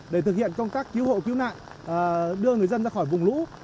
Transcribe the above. để thực hiện công tác cứu hộ cứu nạn đưa người dân ra khỏi vùng lũ